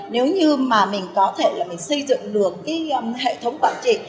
nếu như mà mình có thể là phải xây dựng được cái hệ thống quản trị